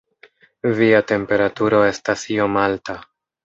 Via temperaturo estas iom alta.